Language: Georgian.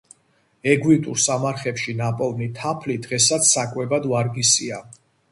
ეგვიპტურ სამარხებში ნაპოვნი თაფლი დღესაც საკვებად ვარგისია.